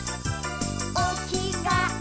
「おきがえ